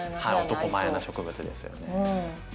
男前な植物ですよね。